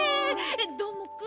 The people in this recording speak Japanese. どーもくん。